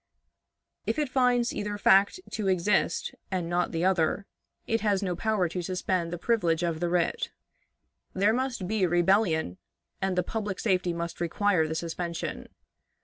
If it finds either fact to exist and not the other, it has no power to suspend the privilege of the writ. There must be rebellion, and the public safety must require the suspension.